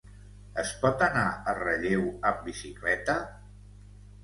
Es pot anar a Relleu amb bicicleta?